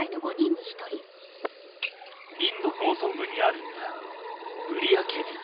インド農村部にある村ブリヤ・ケディ。